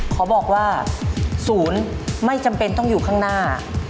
ขอบอกว่าศูนย์ไม่จำเป็นต้องอยู่ข้างหน้า